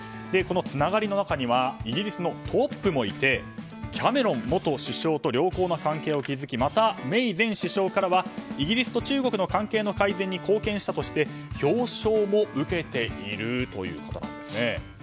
このつながりの中にはイギリスのトップもいてキャメロン元首相と良好な関係を築きまたメイ前首相からはイギリスと中国の関係の改善に貢献したとして表彰も受けているということです。